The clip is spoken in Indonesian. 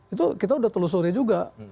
itu kita sudah telusuri juga